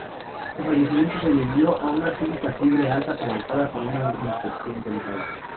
Su fallecimiento se debió a una súbita fiebre alta provocada por una infección dental"".